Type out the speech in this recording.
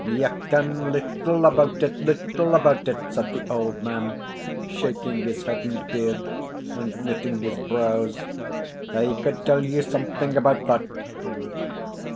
"Ye ken little about it little about it," said the old man, shaking his head and beard, and knitting his brows. "I could tell ye something about that."